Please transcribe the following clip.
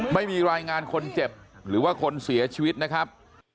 ไม่มีรายงานคนเจ็บหรือว่าคนเสียชีวิตนะครับ